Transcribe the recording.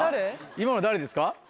今の誰ですか？